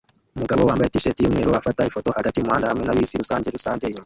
Umugabo wambaye t-shirt yumweru afata ifoto hagati yumuhanda hamwe na bisi rusange rusange inyuma